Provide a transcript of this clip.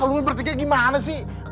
ah lu bertiga gimana sih